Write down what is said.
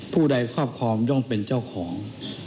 ผู้ใดครอบครองย่องเป็นเจ้าของ